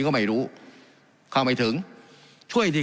การปรับปรุงทางพื้นฐานสนามบิน